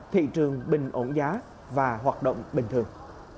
thị trường bình ổn giá và hoạt động bình thường